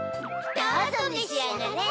どうぞめしあがれ！